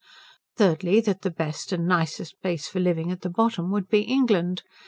Thirdly, that the best and nicest place for living at the bottom would be England.